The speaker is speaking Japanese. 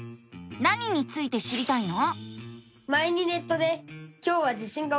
何について知りたいの？